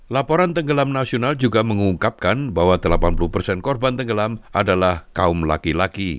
laporan tenggelam nasional juga mengungkapkan bahwa delapan puluh persen korban tenggelam adalah kaum laki laki